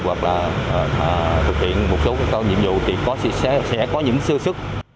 hoặc là thực hiện một số nhiệm vụ thì sẽ có những sơ sức